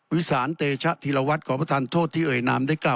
วิสานเตชะธีรวัตรขอประทานโทษที่เอ่ยนามได้กล่าว